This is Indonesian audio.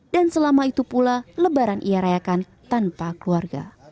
dan selama itu pula lebaran ia rayakan tanpa keluarga